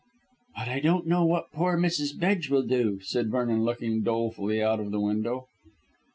"But I don't know what poor Mrs. Bedge will do," said Vernon looking dolefully out of the window.